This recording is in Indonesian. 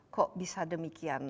kok bisa demikian